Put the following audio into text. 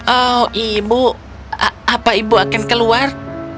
oh ibu apa ibu akan keluar